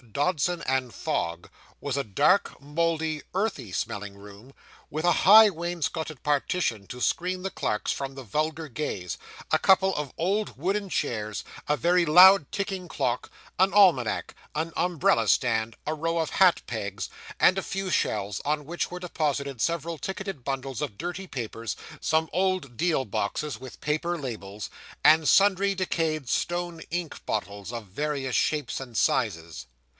Dodson & Fogg was a dark, mouldy, earthy smelling room, with a high wainscotted partition to screen the clerks from the vulgar gaze, a couple of old wooden chairs, a very loud ticking clock, an almanac, an umbrella stand, a row of hat pegs, and a few shelves, on which were deposited several ticketed bundles of dirty papers, some old deal boxes with paper labels, and sundry decayed stone ink bottles of various shapes and sizes.